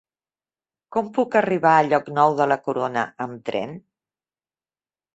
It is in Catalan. Com puc arribar a Llocnou de la Corona amb tren?